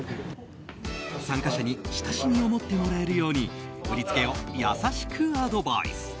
参加者に親しみを持ってもらえるように振り付けを優しくアドバイス。